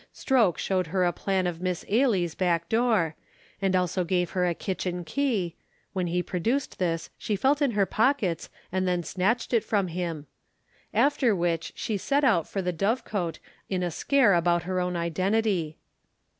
Stroke showed her a plan of Miss Ailie's backdoor, and also gave her a kitchen key (when he produced this, she felt in her pockets and then snatched it from him), after which she set out for the Dovecot in a scare about her own identity.